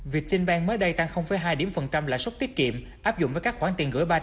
việt chin bank mới đây tăng hai lại suất tiết kiệm áp dụng với các khoản tiền gửi